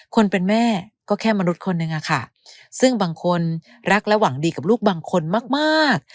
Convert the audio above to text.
คนเป็นแม่ก็แค่มนุษย์คนหนึ่งอะค่ะซึ่งบางคนรักและหวังดีกับลูกบางคนมากมาก